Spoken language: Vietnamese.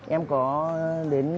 em có đến